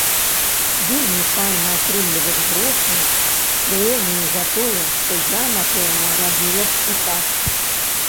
Вельмі файна атрымліваць грошы, прэмію за тое, што я, напэўна, рабіла б і так.